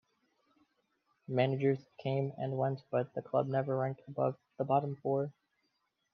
Managers came and went but the club never ranked above the bottom four.